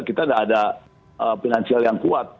kita tidak ada finansial yang kuat